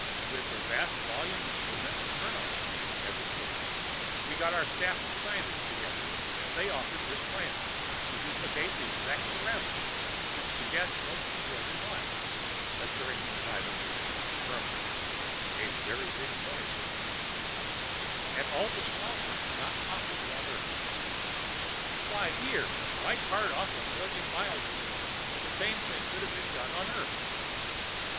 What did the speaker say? With the vast volume and the tremendous turnover, as it were, we got our staff of scientists together and they offered this plan to duplicate the exact surroundings which the Guest most enjoyed in Life, assure him privacy, permanence (a very big point, as you can see), and all the small things not possible on Earth." "Why here, why cart off a million miles or more when the same thing could have been done on Earth?"